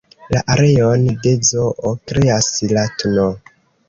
La areon de zoo kreas la tn.